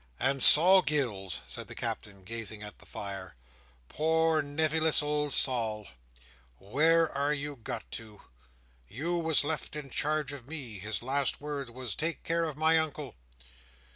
"And Sol Gills," said the Captain, gazing at the fire, "poor nevyless old Sol, where are you got to! you was left in charge of me; his last words was, 'Take care of my Uncle!